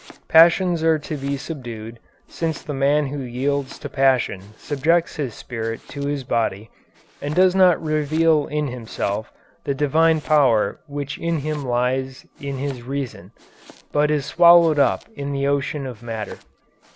Passions are to be subdued, since the man who yields to passion subjects his spirit to his body, and does not reveal in himself the divine power which in him lies in his reason, but is swallowed up in the ocean of matter."